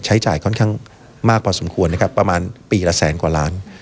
ใช้จ่ายค่อนข้างมากพอสมควรนะครับประมาณปีละแสนกว่าล้าน